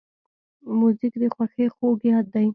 موزیک د خوښۍ خوږ یاد دی.